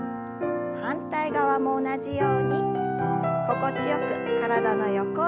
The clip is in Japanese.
反対側も同じように心地よく体の横を伸ばします。